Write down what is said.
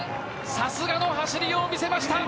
さすがの走りを見せました。